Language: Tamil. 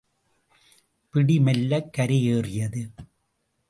பிடி மெல்லக் கரையேறியது.